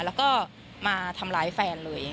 แล้วก็มาทำร้ายแฟนเลย